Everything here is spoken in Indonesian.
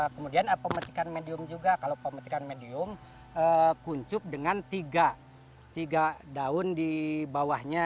kemudian pemetikan medium juga kalau pemetikan medium kuncup dengan tiga daun di bawahnya